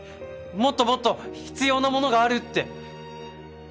もっともっと必要なものがあるって！